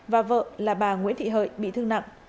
và vợ là bà nguyễn thị hợi bị thương nặng